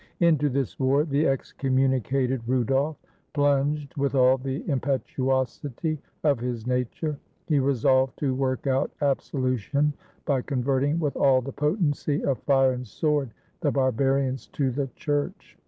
Into this war the excommunicated Rudolf plunged with all the impetuosity of his na ture; he resolved to work out absolution, by converting, with all the potency of fire and sword, the barbarians to the Church.